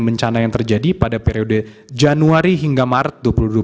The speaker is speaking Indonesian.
dan bencana yang terjadi pada periode januari hingga maret dua ribu dua puluh tiga